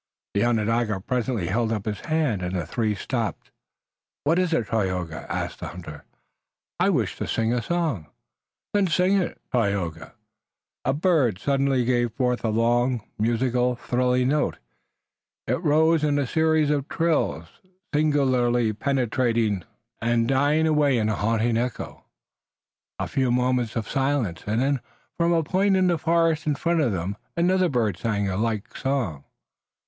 The Onondaga presently held up a hand and the three stopped. "What is it, Tayoga?" asked the hunter. "I wish to sing a song." "Then sing it, Tayoga." A bird suddenly gave forth a long, musical, thrilling note. It rose in a series of trills, singularly penetrating, and died away in a haunting echo. A few moments of silence and then from a point in the forest in front of them another bird sang a like song.